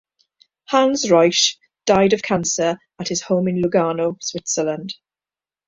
Hans Ruesch died of cancer at his home in Lugano, Switzerland.